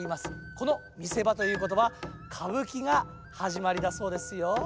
このみせばということばかぶきがはじまりだそうですよ。